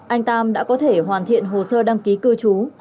anh tam đã có thể hoàn thiện hồ sơ đăng ký cư trú